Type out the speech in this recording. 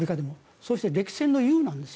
そして歴戦の雄なんですよ